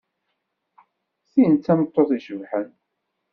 Tin d tameṭṭut icebḥen.